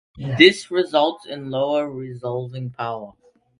This results in lower resolving power.